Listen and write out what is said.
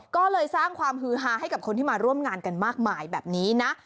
ก็เลยสร้างความฮือฮาให้กับคนที่มาร่วมงานกันมากมายแบบนี้นะ